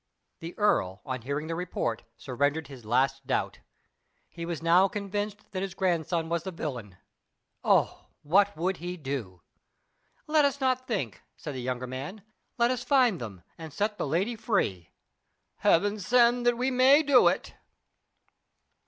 The earl, on hearing the report, surrendered his last doubt. He was now convinced that his grandson was the villain. Oh, what would he do? "Let us not think," said the younger man. "Let us find them and set the lady free." "Heaven send that we may do it!"